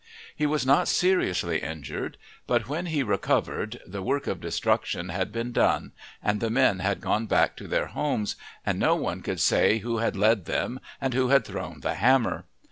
He was not seriously injured, but when he recovered the work of destruction had been done and the men had gone back to their homes, and no one could say who had led them and who had thrown the hammer.